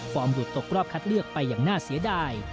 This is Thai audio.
หลุดตกรอบคัดเลือกไปอย่างน่าเสียดาย